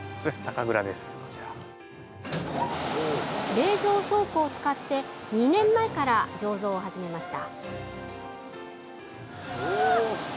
冷蔵倉庫を使って２年前から醸造を始めました。